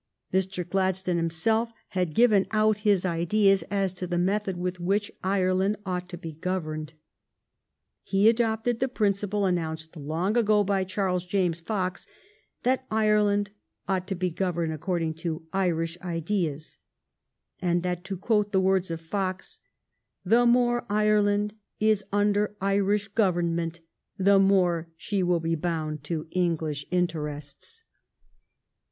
Mr. Gladstone himself had given out his ideas as to the method with which Ireland ought to be governed. He adopted the principle announced long ago by Charles James Fox, that Ireland ought to be governed according to Irish ideas, and that, to quote the words of Fox, " the more Ireland is under Irish government, the more she will be bound to English interests."